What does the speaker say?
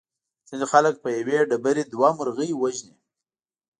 ځینې خلک په یوې ډبرې دوه مرغۍ وژني.